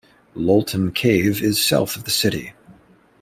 Loltun Cave is south of the city.